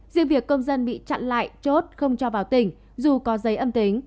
riêng việc công dân bị chặn lại chốt không cho vào tỉnh dù có giấy âm tính